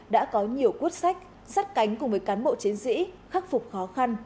đã có nhiều cuốt sách sắt cánh cùng với cán bộ chiến sĩ khắc phục khó khăn